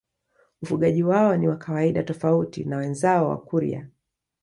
Ufugaji wao ni wa kawaida tofauti na wenzao Wakurya